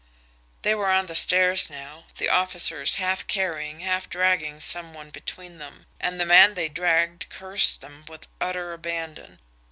They were on the stairs now, the officers, half carrying, half dragging some one between them and the man they dragged cursed them with utter abandon.